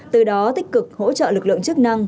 từ đó tích cực hỗ trợ lực lượng chức năng